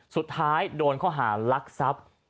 สุดท้ายโดนข้อหารักทรัพย์